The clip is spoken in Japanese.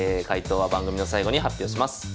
解答は番組の最後に発表します。